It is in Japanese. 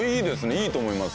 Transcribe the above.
いいと思います。